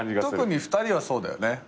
特に２人はそうだよね。